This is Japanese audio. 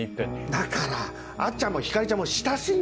だからあっちゃんも光莉ちゃんも親しいんだから。